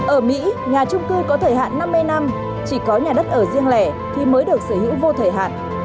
ở mỹ nhà trung cư có thời hạn năm mươi năm chỉ có nhà đất ở riêng lẻ thì mới được sở hữu vô thời hạn